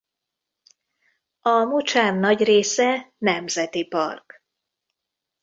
A mocsár nagy része Nemzeti Park.